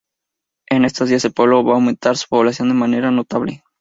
En estos días el pueblo ve aumentar su población de manera notable.